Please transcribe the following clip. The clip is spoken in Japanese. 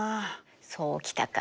そうきたか。